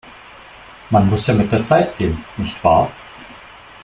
Man muss ja mit der Zeit gehen, nicht wahr?